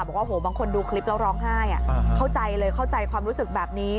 บอกว่าโหบางคนดูคลิปแล้วร้องไห้เข้าใจเลยเข้าใจความรู้สึกแบบนี้